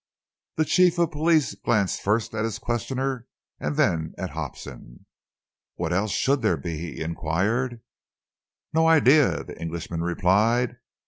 The Chief of Police glanced first at his questioner and then at Hobson. "What else should there be?" he enquired. "No idea," the Englishman replied.